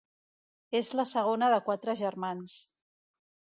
És la segona de quatre germans.